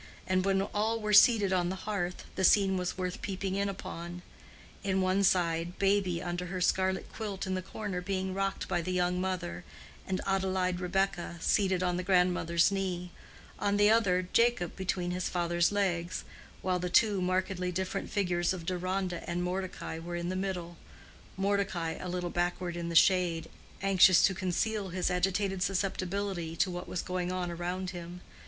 And when all were seated on the hearth the scene was worth peeping in upon: on one side Baby under her scarlet quilt in the corner being rocked by the young mother, and Adelaide Rebekah seated on the grandmother's knee; on the other, Jacob between his father's legs; while the two markedly different figures of Deronda and Mordecai were in the middle—Mordecai a little backward in the shade, anxious to conceal his agitated susceptibility to what was going on around him.